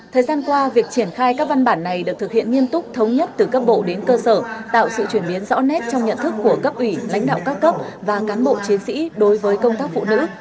thời gian qua việc triển khai các văn bản này được thực hiện nghiêm túc thống nhất từ cấp bộ đến cơ sở tạo sự chuyển biến rõ nét trong nhận thức của cấp ủy lãnh đạo các cấp và cán bộ chiến sĩ đối với công tác phụ nữ